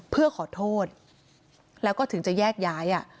เพื่อขอโทษแล้วก็ถึงจะแยกย้าย